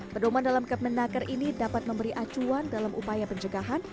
pedoman dalam kepemenaker ini dapat memberi acuan dalam upaya pencegahan